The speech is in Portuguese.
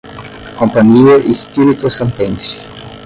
Companhia Espíritossantense